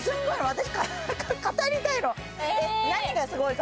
私。